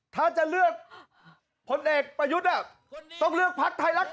ถ้าจะเลือกพลเอกประยุทธ์ต้องเลือกพักไทยรัก